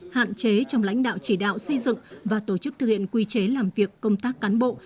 hạn chế trong lãnh đạo chỉ đạo xây dựng và tổ chức thực hiện quy chế làm việc công tác cán bộ